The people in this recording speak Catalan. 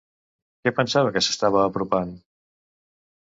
Què pensava que s'estava apropant?